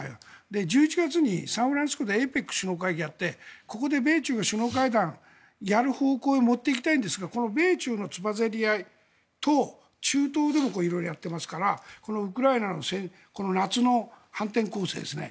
１１月にサンフランシスコでＡＰＥＣ首脳会議をやってここで米中が首脳会談をやる方向で持っていきたいんですがこの米中のつばぜり合いと中東でも色々やってますからウクライナの夏の反転攻勢ですね。